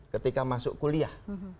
ketika masuk kuliah